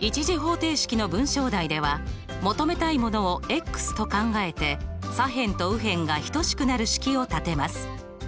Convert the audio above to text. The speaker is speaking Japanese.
１次方程式の文章題では求めたいものをと考えて左辺と右辺が等しくなる式を立てます。